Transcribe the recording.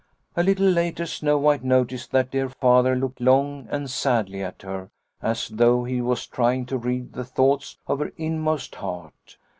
" A little later Snow White noticed that dear Father looked long and sadly at her, as though he was trying to read the thoughts of her in most heart.